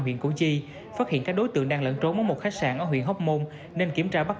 huyện củ chi phát hiện các đối tượng đang lẫn trốn ở một khách sạn ở huyện hóc môn nên kiểm tra bắt